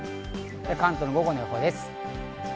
関東の午後の予報です。